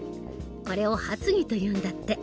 これを発議というんだって。